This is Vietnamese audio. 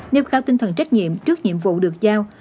nêu cao tinh thần trách nhiệm trước nhiệm vụ được giao